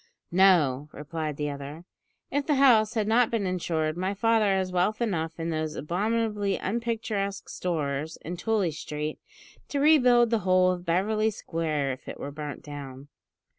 "No," replied the other. "If the house had not been insured my father has wealth enough in those abominably unpicturesque stores in Tooley Street to rebuild the whole of Beverly Square if it were burnt down.